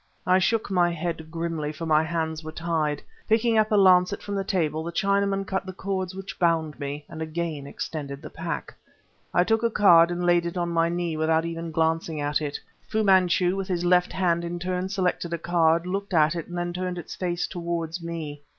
I shook my head grimly, for my hands were tied. Picking up a lancet from the table, the Chinaman cut the cords which bound me, and again extended the pack. I took a card and laid it on my knee without even glancing at it. Fu Manchu, with his left hand, in turn selected a card, looked at it and then turned its face towards me.